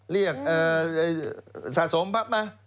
เรียกสะสมแบบมา